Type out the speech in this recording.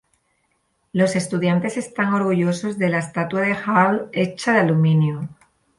Los estudiantes están orgullosos de la estatua de Hall hecha de aluminio.